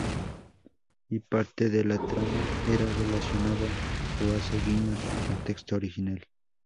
Y parte de la trama está relacionada o hace guiños al texto original.